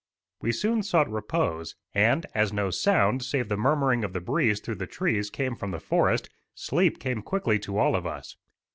We soon sought repose, and, as no sound save the murmuring of the breeze through the trees came from the forest, sleep came quickly to all of us.